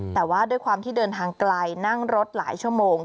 แต่ว่าด้วยความที่เดินทางไกลนั่งรถหลายชั่วโมง